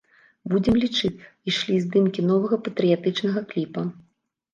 Будзем лічыць, ішлі здымкі новага патрыятычнага кліпа.